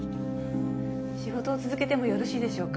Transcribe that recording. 仕事を続けてもよろしいでしょうか？